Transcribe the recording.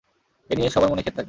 এ নিয়ে সবার মনেই খেদ থাকে।